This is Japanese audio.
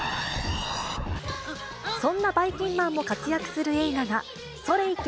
そんなばいきんまんも活躍する映画がそれいけ！